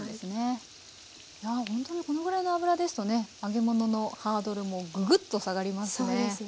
本当にこのぐらいの油ですとね揚げ物のハードルもぐぐっと下がりますね。